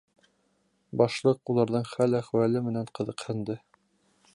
Башлыҡ уларҙың хәл-әхүәле менән ҡыҙыҡһынды.